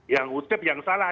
yang utip yang salah